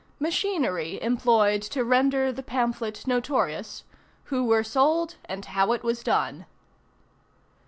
MACHINERY EMPLOYED TO RENDER THE PAMPHLET NOTORIOUS. WHO WERE SOLD AND HOW IT WAS DONE.